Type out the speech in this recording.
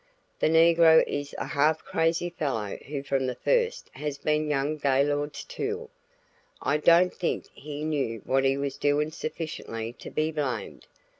The negro is a half crazy fellow who from the first has been young Gaylord's tool; I don't think he knew what he was doing sufficiently to be blamed.